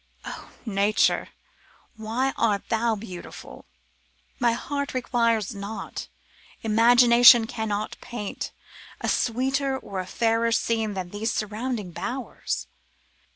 'O Nature! why art thou beautiful? My heart requires not, imagination cannot paint, a sweeter or a fairer scene than these surrounding bowers.